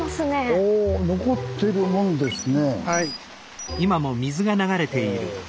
お残ってるもんですね。